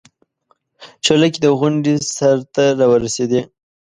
چورلکې د غونډۍ سر ته راورسېدې.